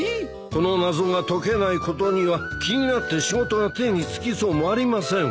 この謎が解けないことには気になって仕事が手につきそうもありません。